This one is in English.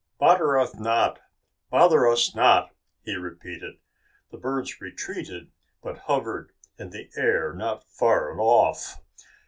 "Bother us not! Bother us not!" he repeated. The birds retreated, but hovered in the air not far off.